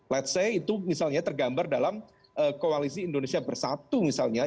let's say itu misalnya tergambar dalam koalisi indonesia bersatu misalnya